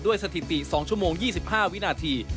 สถิติ๒ชั่วโมง๒๕วินาที